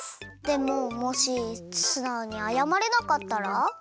でももしすなおにあやまれなかったら？